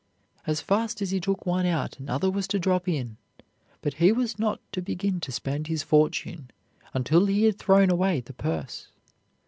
As fast as he took one out another was to drop in, but he was not to begin to spend his fortune until he had thrown away the purse.